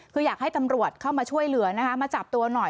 คืออยากให้ตำรวจเข้ามาช่วยเหลือนะคะมาจับตัวหน่อย